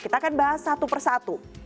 kita akan bahas satu persatu